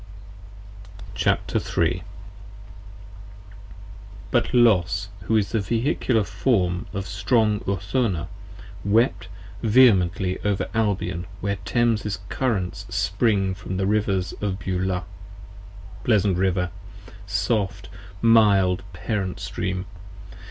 61 p. 53 CHAPTER III BUT Los, who is the Vehicular Form of strong Urthona, Wept vehemently over Albion where Thames' currents spring From the rivers of Beulah; pleasant river! soft, mild, parent stream.